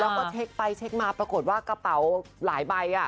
แล้วก็ติดตัวไปมาปรากฏว่ากระเป๋าหลายใบ